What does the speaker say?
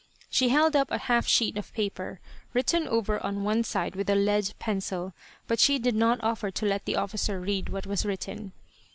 She held up a half sheet of paper, written over on one side with a lead pencil; but she did not offer to let the officer read what was written.